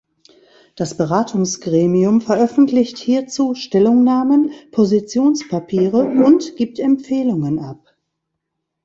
Das Beratungsgremium veröffentlicht hierzu Stellungnahmen, Positionspapiere und gibt Empfehlungen ab.